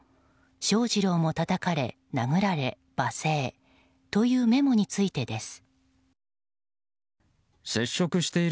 翔士郎もたたかれ、殴られ罵声というメモについてです。